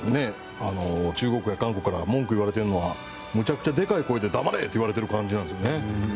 中国や韓国から文句を言われているのはめちゃくちゃでかい声で黙れ！と言われている感じなんですよね。